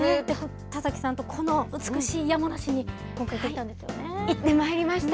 田崎さんとこの美しい山梨に、今回、行ってまいりました。